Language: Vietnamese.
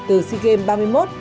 từ sea games ba mươi một